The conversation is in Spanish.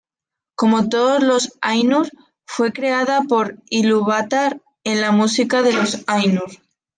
Como todos los Ainur, fue creada por Ilúvatar en la Música de los Ainur.